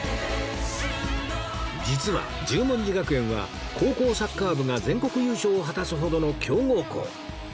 実は十文字学園は高校サッカー部が全国優勝を果たすほどの強豪校